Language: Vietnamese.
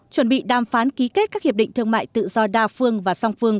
chuẩn bị đàm phán ký kết các hiệp định thương mại tự do đa phương và song phương